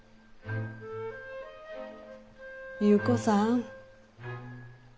優子さん。